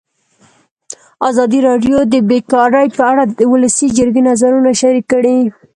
ازادي راډیو د بیکاري په اړه د ولسي جرګې نظرونه شریک کړي.